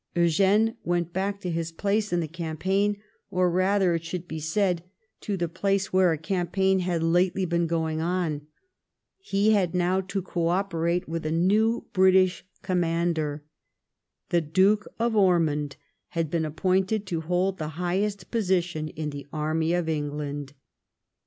Eugene went back to his place in the campaign, or rather, it should be said to the^ place where a campaign had lately been going on. He had now to co operate with a new British commander. The Duke of Ormond had been appointed to hold the highest position in the army of England.